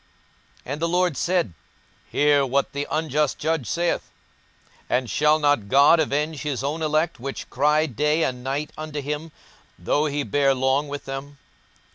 42:018:006 And the Lord said, Hear what the unjust judge saith. 42:018:007 And shall not God avenge his own elect, which cry day and night unto him, though he bear long with them?